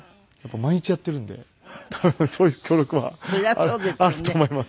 毎日やっているんで多分そういう協力はあると思いますすごい。